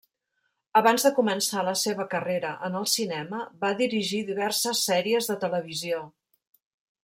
Abans de començar la seva carrera en el cinema va dirigir diverses sèries de televisió.